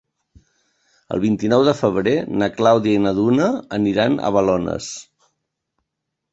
El vint-i-nou de febrer na Clàudia i na Duna aniran a Balones.